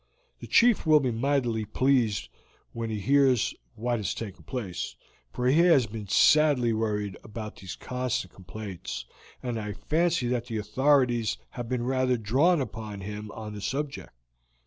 The chief will be mightily pleased when he hears what has taken place, for he has been sadly worried by these constant complaints, and I fancy that the authorities have been rather down upon him on the subject.